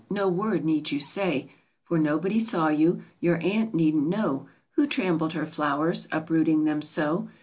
No word need you say, For nobody saw you ; your Aunt needn't know Who trampled her flowers, uprooting them so.